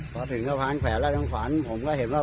พอทิ้งกระพางไข่และประมาณนี้ผมก็เห็นว่า